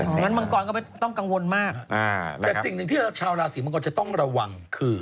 เหมือนก่อนก็ไม่ต้องกังวลมากนะครับแต่สิ่งที่ชาวราศิกษ์มันก่อนจะต้องระวังคือ